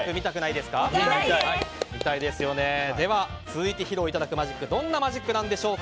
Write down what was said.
では、続いて披露いただくマジックどんなマジックなんでしょうか。